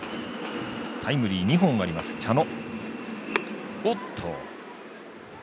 タイムリー２本あります、茶野。